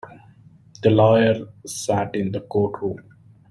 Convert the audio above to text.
The lawyer sat in the courtroom.